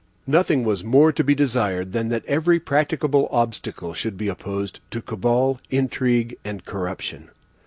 Nothing was more to be desired than that every practicable obstacle should be opposed to cabal, intrigue, and corruption.